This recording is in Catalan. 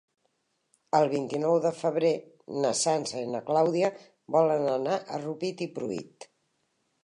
El vint-i-nou de febrer na Sança i na Clàudia volen anar a Rupit i Pruit.